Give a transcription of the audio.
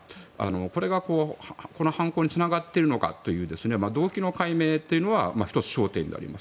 これが、この犯行につながっているのかという動機の解明というのは１つ、焦点になると思います。